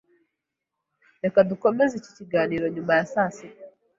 Reka dukomeze iki kiganiro nyuma ya sasita.